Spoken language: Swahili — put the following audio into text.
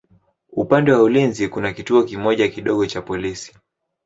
Upande wa ulinzi kuna kituo kimoja kidogo cha polisi.